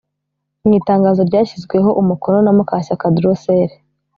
Mu itangazo ryashyizweho umukono na Mukashyaka Drocelle